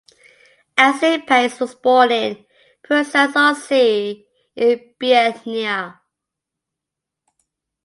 Asclepiades was born in Prusias-on-Sea in Bithynia.